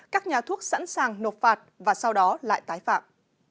các nhà thuốc sẵn sàng nộp phạt và sau đó lại tái phạm